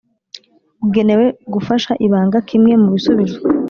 bugenewe gufasha Ibanga Kimwe mu bisubizo